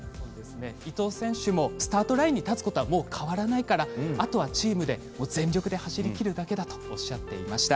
伊藤選手もスタートラインに立つことはもう変わらないからあとはチームで全力で走りきるだけだとおっしゃっていました。